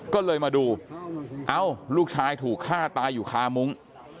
ก็เลยมาดูเอ้าลูกชายถูกฆ่าตายอยู่คามุ้ง